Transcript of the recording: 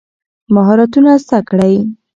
مهارتونه زده کړئ.